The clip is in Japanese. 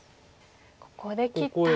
ここで切ったら。